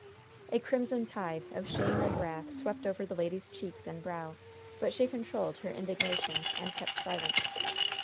A crimson tide of shame and wrath swept over the lady's cheeks and brow, but she controlled her indignation, and kept silence.